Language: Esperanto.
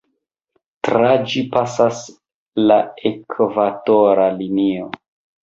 Tra ĝi pasas la Ekvatora Linio.